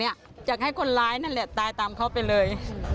อยากให้คนร้ายนั่นแหละตายตามเขาไปเลย